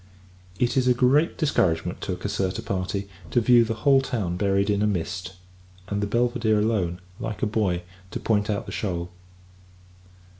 It is a great discouragement to a Caserta party, to view the whole town buried in a mist; and the Belvidere alone, like a buoy, to point out the shoal.